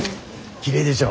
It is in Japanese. きれいでしょ？